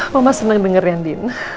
mama seneng denger ya andin